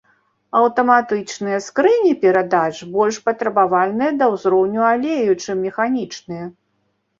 Аўтаматычныя скрынкі перадач больш патрабавальныя да ўзроўню алею, чым механічныя.